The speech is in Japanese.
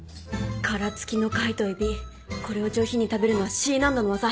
殻付きの貝と海老これを上品に食べるのはＣ難度の技。